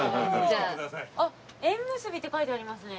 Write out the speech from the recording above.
あっ「縁結び」って書いてありますね。